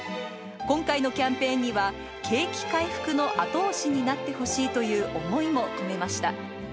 今回のキャンペーンには、景気回復の後押しになってほしいという思いも込めました。